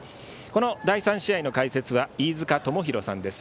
この第３試合の解説は飯塚智広さんです。